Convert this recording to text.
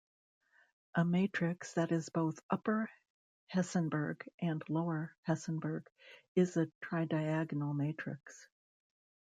A matrix that is both upper Hessenberg and lower Hessenberg is a tridiagonal matrix.